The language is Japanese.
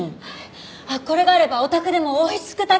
これがあればお宅でもおいしく炊けると思います。